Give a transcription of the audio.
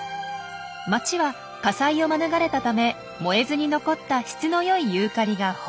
町は火災を免れたため燃えずに残った質の良いユーカリが豊富。